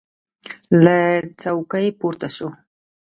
له چوکۍ پورته سو.